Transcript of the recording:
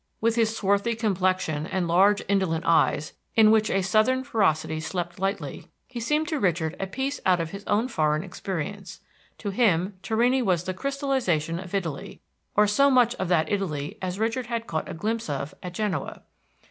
With his swarthy complexion and large, indolent eyes, in which a southern ferocity slept lightly, he seemed to Richard a piece out of his own foreign experience. To him Torrini was the crystallization of Italy, or so much of that Italy as Richard had caught a glimpse of at Genoa.